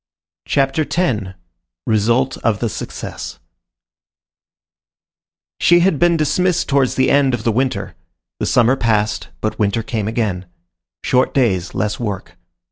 CHAPTER X—RESULT OF THE SUCCESS She had been dismissed towards the end of the winter; the summer passed, but winter came again. Short days, less work.